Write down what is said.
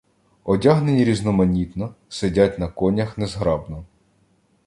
Одягнені різноманітно, сидять на конях незграбно.